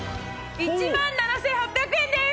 １万７８００円です！